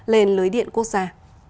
lên lưới điện quốc gia